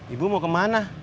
ibu mau kemana